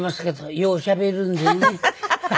ようしゃべるんでね。